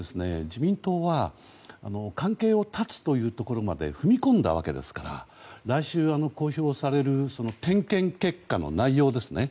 自民党は関係を断つというところまで踏み込んだわけですから来週、公表される点検結果の内容ですね。